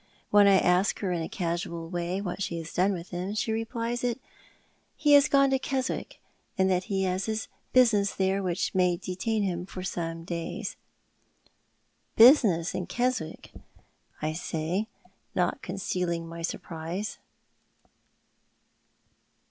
When I ask her in a casual way what she has done with him she replies that he has gone to Keswick, and that he has business thero •which may detain him for some days. "Business in Keswick," say I, not concealing my surprise.